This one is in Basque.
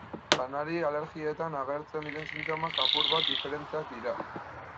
Janari-alergietan agertzen diren sintomak apur bat diferenteak dira.